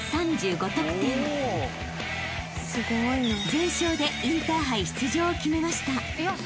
［全勝でインターハイ出場を決めました］